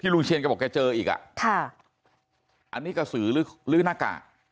ลุงเชียนก็บอกแกเจออีกอ่ะค่ะอันนี้กระสือหรือลื้อหน้ากาก